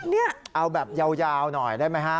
เอาแบบยาวหน่อยได้ไหมครับ